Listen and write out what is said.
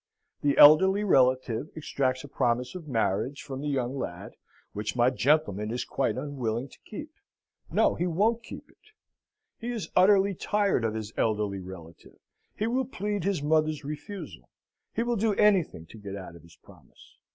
The elderly relative extracts a promise of marriage from the young lad, which my gentleman is quite unwilling to keep. No, he won't keep it. He is utterly tired of his elderly relative: he will plead his mother's refusal: he will do anything to get out of his promise."